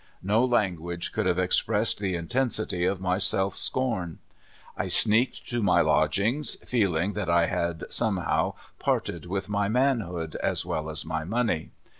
No language could have expressed the intensity of my self scorn. I sneaked to my lodgings, feeling that I had somehow parted with my manhood as well as my money.